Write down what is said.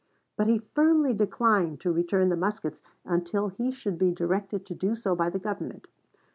But he firmly declined to return the muskets until he should be directed to do so by the Government.